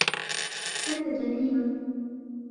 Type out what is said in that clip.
أنت جميلٌ.